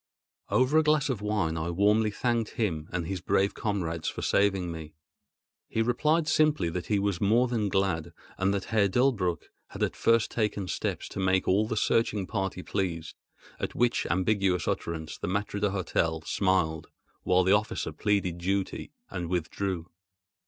Over a glass of wine I warmly thanked him and his brave comrades for saving me. He replied simply that he was more than glad, and that Herr Delbrück had at the first taken steps to make all the searching party pleased; at which ambiguous utterance the maître d'hôtel smiled, while the officer pleaded duty and withdrew.